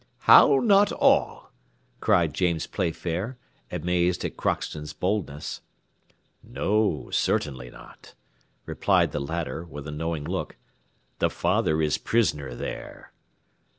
"How not all?" cried James Playfair, amazed at Crockston's boldness. "No, certainly not," replied the latter, with a knowing look, "the father is prisoner there."